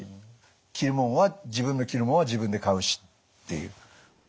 着るもんは自分の着るもんは自分で買うしっていう。